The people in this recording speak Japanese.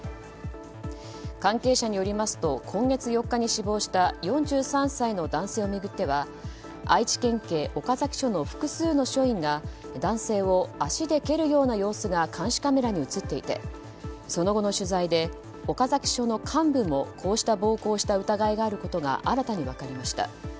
関係者によりますと今月４日に死亡した４３歳の男性を巡っては愛知県警岡崎署の複数の署員が男性を足で蹴るような様子が監視カメラに映っていてその後の取材で岡崎署の幹部もこうした暴行をした疑いがあることが新たに分かりました。